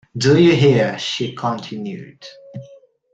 'Do you hear?’ she continued.